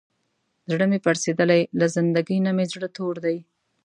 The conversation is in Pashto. زړه مې پړسېدلی، له زندګۍ نه مې زړه تور دی.